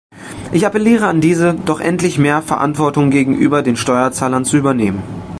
Ich appelliere an diese, doch endlich mehr Verantwortung gegenüber den Steuerzahlern zu übernehmen.